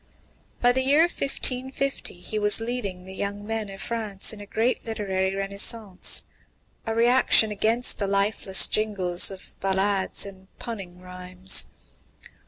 By the year 1550 he was leading the young men of France in a great literary renaissance a reaction against the lifeless jingle of ballades and punning rhymes.